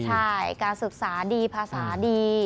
ใช่การศึกษาดีภาษาดี